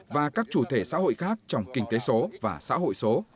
và các chủ thể xã hội khác trong kinh tế số và xã hội số